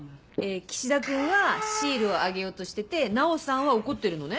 岸田君はシールをあげようとしてて奈央さんは怒ってるのね？